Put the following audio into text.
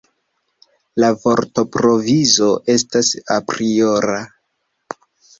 La vortprovizo estas apriora.